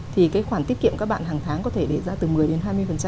thì cái khoản tiết kiệm các bạn hàng tháng có thể để ra từ một mươi đến hai mươi